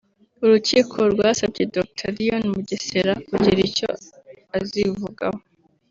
urukiko rwasabye Dr Léon Mugesera kugira icyo azivugaho